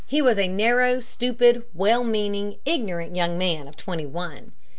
He was a narrow, stupid, well meaning, ignorant young man of twenty one.